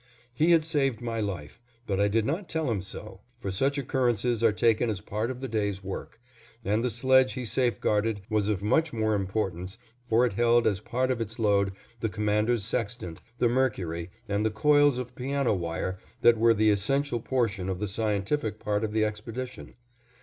He had saved my life, but I did not tell him so, for such occurrences are taken as part of the day's work, and the sledge he safeguarded was of much more importance, for it held, as part of its load, the Commander's sextant, the mercury, and the coils of piano wire that were the essential portion of the scientific part of the expedition.